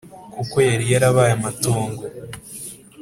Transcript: Kuko yari yarabaye amatongo.